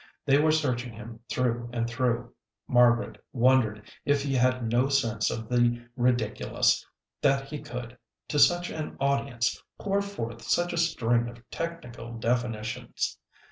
They were searching him through and through. Margaret wondered if he had no sense of the ridiculous, that he could, to such an audience, pour forth such a string of technical definitions.